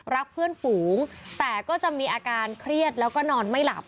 รักเพื่อนฝูงแต่ก็จะมีอาการเครียดแล้วก็นอนไม่หลับ